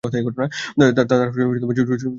তার ছোট ভাই চুয়েটে পড়ে।